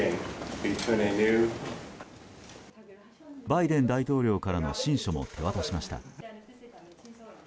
バイデン大統領からの親書も手渡しました。